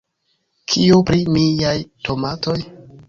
Kio pri niaj tomatoj?